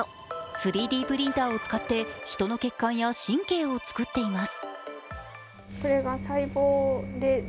３Ｄプリンターを使って人の血管や神経を作っています。